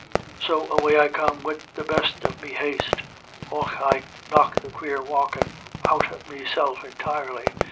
"So away I come wid the best of me haste; och I knocked the quare walkin' out of meself entirely.